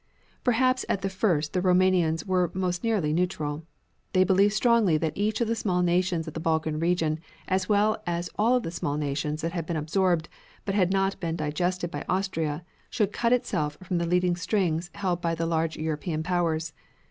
Perhaps at the first the Roumanians were most nearly neutral. They believed strongly that each of the small nations of the Balkan region as well as all of the small nations that had been absorbed but had not been digested by Austria, should cut itself from the leading strings held by the large European powers.